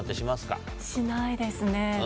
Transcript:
しないですね。